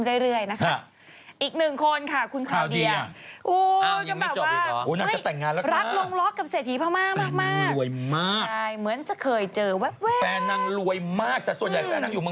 ถูกเขาเตรียมจะออนแอร์เร็วนี้แล้ว